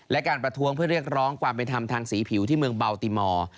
และการประท้วงเพื่อเรียกร้องความเป็นธรรมทางสีผิวที่เมืองเบาติมอร์